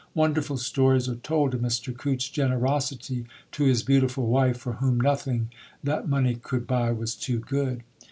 Wonderful stories are told of Mr Coutts' generosity to his beautiful wife, for whom nothing that money could buy was too good.